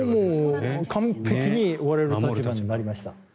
完璧に追われる立場になりました。